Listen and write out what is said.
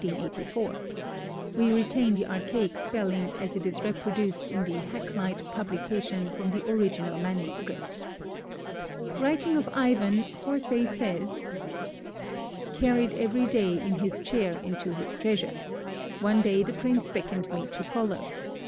We retain the archaic spelling as it is reproduced in the Hakluyt publication from the original manuscript. Writing of Ivan, Horsey says: Carried every daye in his chair into his treasure. One daye the prince beckoned me to follow.